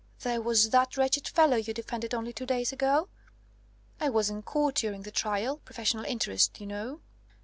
There was that wretched fellow you defended only two days ago. (I was in court during the trial professional interest, you know.)